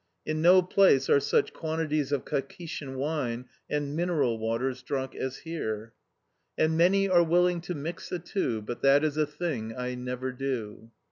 In no place are such quantities of Kakhetian wine and mineral waters drunk as here. "And many are willing to mix the two, But that is a thing I never do."